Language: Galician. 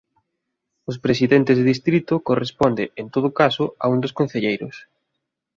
Os presidentes de distrito corresponde en todo caso a un dos concelleiros.